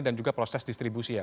dan juga proses distribusi ya